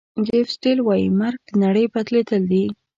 چیف سیټل وایي مرګ د نړۍ بدلېدل دي.